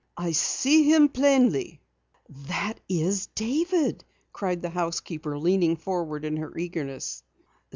"I see him plainly now." "That is David!" cried the housekeeper, leaning forward in her eagerness.